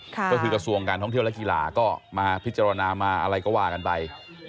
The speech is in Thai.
ก็คือกระทรวงการท่องเที่ยวและกีฬาก็มาพิจารณามาอะไรก็ว่ากันไป